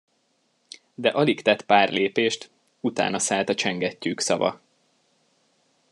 De alig tett pár lépést, utánaszállt a csengettyűk szava.